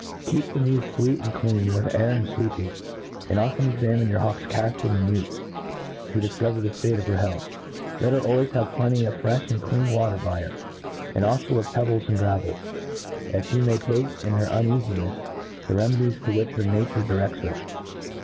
Keep the inew fweet and clean with air and fwecping ; and often examine your hawk's calling and mutes, to difcover the ftate of her health. Let her always have plenty of frefh and clear water by her, and alfo of pebbles in gravely that flie may take, in her uneafinefles, the remedies to which nature direfts her.